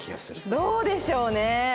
どうでしょうね？